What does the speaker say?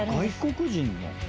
外国人の？